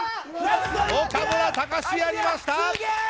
岡村隆史、やりました。